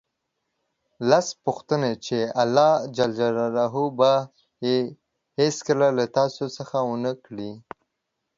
لس پوښتنې چې الله ج به یې هېڅکله له تاسو څخه ونه کړي